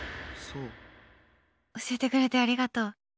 教えてくれてありがとう。